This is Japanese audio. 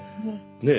ねえ？